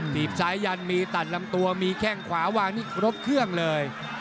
ีบซ้ายยันมีตัดลำตัวมีแข้งขวาวางนี่ครบเครื่องเลย